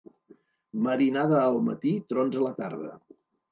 Marinada al matí, trons a la tarda.